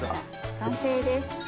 完成です。